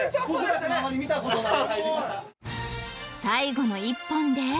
［最後の１本で］